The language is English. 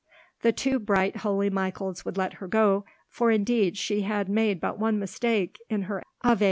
The two bright, holy Michaels would let her go, for indeed she had made but one mistake in her Ave."